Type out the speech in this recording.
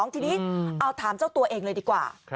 ทีนี้เอาถามเจ้าตัวเองเลยดีกว่า